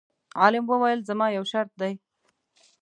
عالم وویل: زما یو شرط دی.